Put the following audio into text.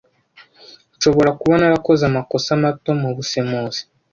Nshobora kuba narakoze amakosa mato mubusemuzi.